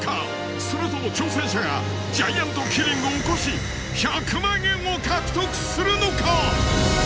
それとも挑戦者がジャイアントキリングを起こし１００万円を獲得するのか！？